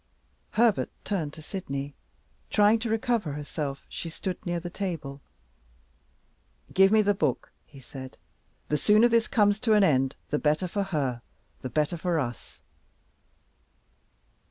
Herbert turned to Sydney; trying to recover herself, she stood near the table. "Give me the book," he said; "the sooner this comes to an end the better for her, the better for us."